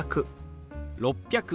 「６００」。